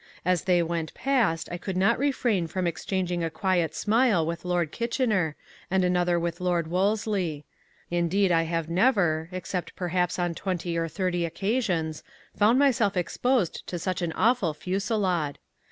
As they went past I could not refrain from exchanging a quiet smile with Lord Kitchener, and another with Lord Wolsley. Indeed I have never, except perhaps on twenty or thirty occasions, found myself exposed to such an awful fusillade.